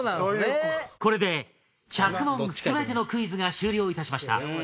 これで１００問全てのクイズが終了いたしました。